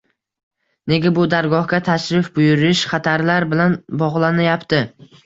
Nega bu dargohga tashrif buyurish xatarlar bilan bog‘lanayapti?!